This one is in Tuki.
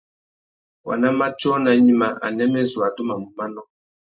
Waná matiō nà gnïmá, anêmê zu adumamú manô.